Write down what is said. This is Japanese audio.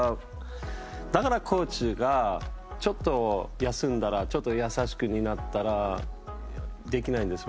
だからコーチがちょっと休んだら優しくなったらできないんです。